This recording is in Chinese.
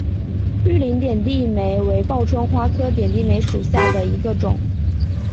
绿棱点地梅为报春花科点地梅属下的一个种。